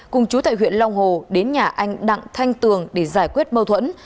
cùng chú tại huyện long hồ đến nhà anh đặng thanh tường để giải quyết mâu thuẫn